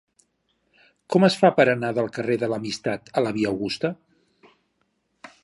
Com es fa per anar del carrer de l'Amistat a la via Augusta?